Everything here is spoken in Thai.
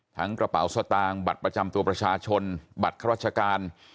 กระเป๋าสตางค์บัตรประจำตัวประชาชนบัตรข้าราชการ